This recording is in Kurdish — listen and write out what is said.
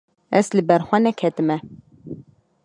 Ez li ber xwe neketime.